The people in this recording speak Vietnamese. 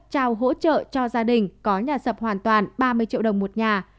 trao hỗ trợ cho gia đình có nhà sập hoàn toàn ba mươi triệu đồng một nhà